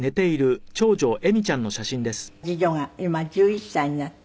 次女が今１１歳になって。